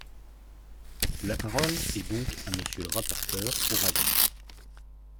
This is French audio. La parole est donc à Monsieur le rapporteur pour avis.